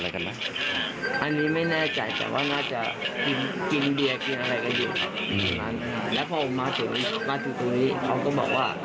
แล้วก็ถึงมานานนะเฮ้ตัวน้องอยู่ที่ไหนครับ